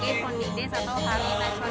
pondides atau hali nasional